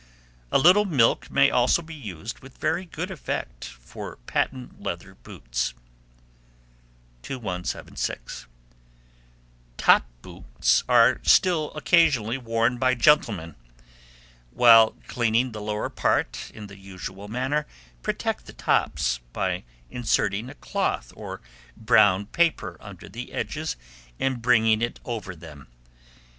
A little milk may also be used with very good effect for patent leather boots. 2176. Top boots are still occasionally worn by gentlemen. While cleaning the lower part in the usual manner, protect the tops, by inserting a cloth or brown paper under the edges and bringing it over them.